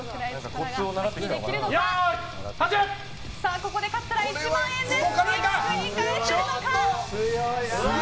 ここで勝ったら１万円です。